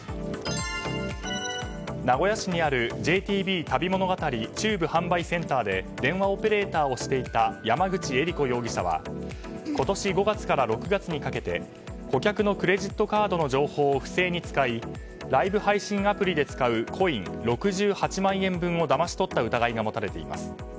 名古屋市にあるＪＴＢ旅物語中部販売センターで電話オペレーターをしていた山口恵理子容疑者は今年５月から６月にかけて顧客のクレジットカードの情報を不正に使いライブ配信アプリで使うコイン６８万円分をだまし取った疑いが持たれています。